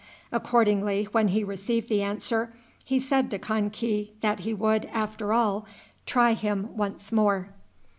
Accordingly, when he received the answer, he said to Kan ki that he would, after all, try him once more.